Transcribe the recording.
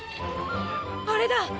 あれだ！